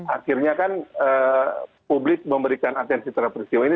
akhirnya kan publik memberikan atensi terhadap peristiwa ini